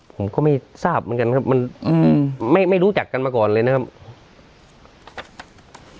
ผมก็ไม่ทราบเหมือนกันครับมันอืมไม่ไม่รู้จักกันมาก่อนเลยนะครับ